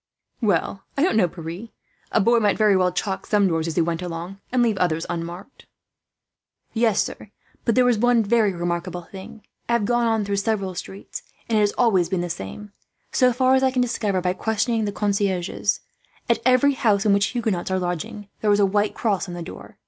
"Well, I don't know, Pierre. A boy might very well chalk some doors, as he went along, and leave others untouched." "Yes, sir. But there is one very remarkable thing. I have gone on through several streets, and it has always been the same so far as I can discover by questioning the concierges at every house in which Huguenots are lodging, there is a white cross on the door.